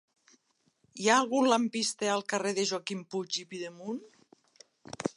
Hi ha algun lampista al carrer de Joaquim Puig i Pidemunt?